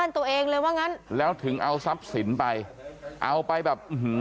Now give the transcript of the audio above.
ตัวเองเลยว่างั้นแล้วถึงเอาทรัพย์สินไปเอาไปแบบอื้อหือ